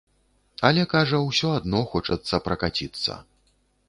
Але, кажа, усё адно хочацца пракаціцца.